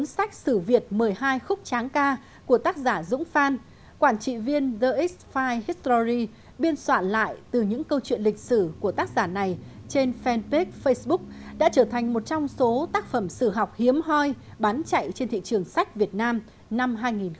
sách sử việt một mươi hai khúc tráng ca của tác giả dũng phan quản trị viên gxfy history biên soạn lại từ những câu chuyện lịch sử của tác giả này trên fanpage facebook đã trở thành một trong số tác phẩm sử học hiếm hoi bán chạy trên thị trường sách việt nam năm hai nghìn một mươi tám